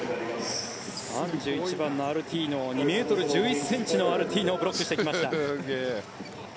３１番のアルティーノ２ｍ１０ｃｍのアルティーノをブロックしていきました。